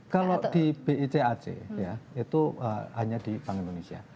kalau di bicac ya itu hanya di bank indonesia